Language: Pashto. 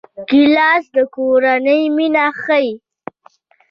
ګیلاس د کورنۍ مینه ښيي.